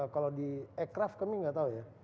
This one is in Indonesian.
kalau di aircraft kami nggak tahu ya